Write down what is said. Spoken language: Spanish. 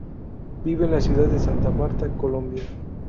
Vive en la Ciudad de Santa Marta, Colombia.